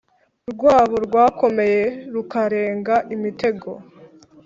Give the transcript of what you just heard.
rwabo rwakomeye rukarenga imitego